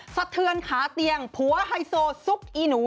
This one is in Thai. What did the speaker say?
สะเทือนขาเตียงผัวไฮโซซุกอีหนู